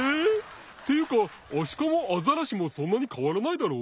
っていうかアシカもアザラシもそんなにかわらないだろう？